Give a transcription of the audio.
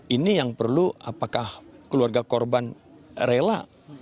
ini yang perlu apakah keluarga korban rela